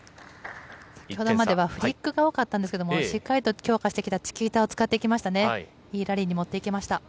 今まではフリックが多かったんですがしっかり強化してきたチキータを使ってきましたね。